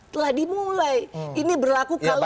telah dimulai ini berlaku kalau